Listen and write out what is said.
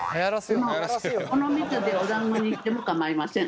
この蜜でおだんごにしても構いません。